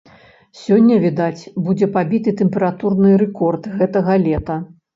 Сёння, відаць, будзе пабіты тэмпературны рэкорд гэтага лета.